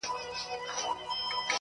زما د ښار ځوان_